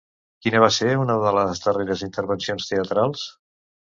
Quina va ser una de les darreres intervencions teatrals?